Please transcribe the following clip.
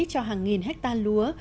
cho hàng nghìn hectare lúa